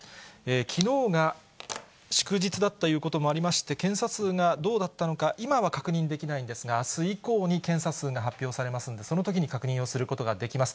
きのうが祝日だったということもありまして、検査数がどうだったのか、今は確認できないんですが、あす以降に検査数が発表されますんで、そのときに確認をすることができます。